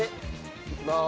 いきます。